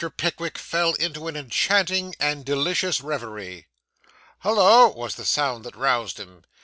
Pickwick fell into an enchanting and delicious reverie. 'Hollo!' was the sound that roused him.